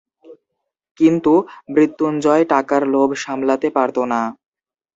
কিন্তু, মৃত্যুঞ্জয় টাকার লোভ সামলাতে পারত না।